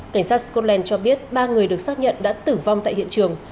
cảnh sát scotland cho biết ba người được xác nhận đã tử vong tại hiện trường